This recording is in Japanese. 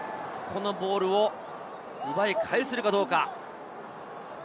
このボールを奪い返せるかどうか。